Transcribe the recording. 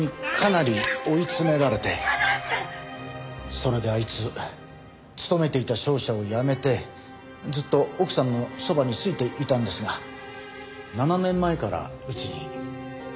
それであいつ勤めていた商社を辞めてずっと奥さんのそばについていたんですが７年前からうちに。